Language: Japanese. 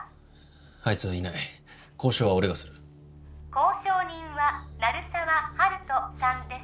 あいつはいない交渉は俺がする交渉人は鳴沢温人さんです